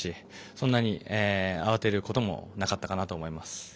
そんなに慌てることもなかったかなと思います。